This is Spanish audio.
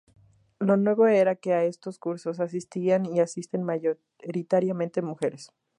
Lo nuevo era que a estos cursos asistían y asisten mayoritariamente mujeres.